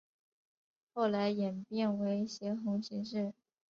后来演变为斜红型式。